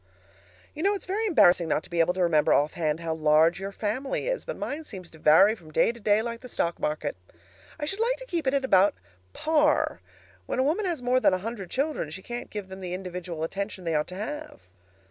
You know it's very embarrassing not to be able to remember offhand how large your family is, but mine seems to vary from day to day, like the stock market. I should like to keep it at about par. When a woman has more than a hundred children, she can't give them the individual attention they ought to have.